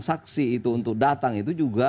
saksi itu untuk datang itu juga